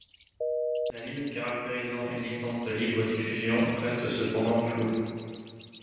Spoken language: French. La limite caractérisant une licence de libre diffusion reste cependant floue.